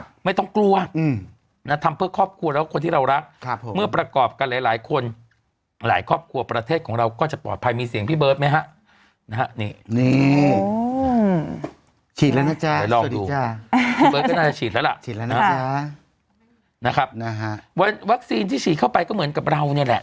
ฉีดแล้วนะจ๊ะสวัสดีจ้ะพี่เบิร์ตก็น่าจะฉีดแล้วล่ะนะครับวัคซีนที่ฉีดเข้าไปก็เหมือนกับเราเนี่ยแหละ